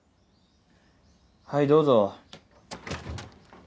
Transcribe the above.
はいどうぞ。